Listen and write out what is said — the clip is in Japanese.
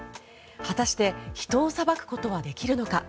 果たして人を裁くことはできるのか。